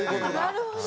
なるほど。